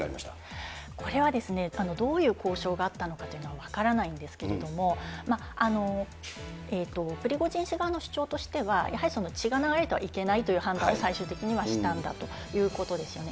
これはですね、どういう交渉があったのかというのは分からないんですけれども、プリゴジン氏側の主張としては、やはりその血が流れてはいけないという判断を最終的にはしたんだということですね。